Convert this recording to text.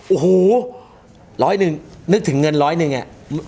โอ้โหร้อยหนึ่งนึกถึงเงินร้อยหนึ่งอ่ะ